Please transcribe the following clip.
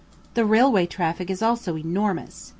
The railway traffic also is enormous.